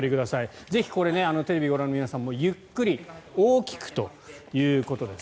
ぜひ、これテレビをご覧の皆さんもゆっくり大きくということです。